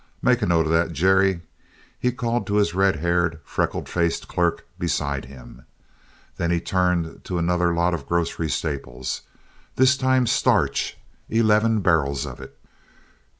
Make a note of that, Jerry," he called to his red haired, freckle faced clerk beside him. Then he turned to another lot of grocery staples—this time starch, eleven barrels of it.